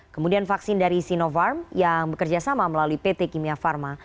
kemudian vaksin dari sinovarm yang bekerjasama melalui pt kimia farma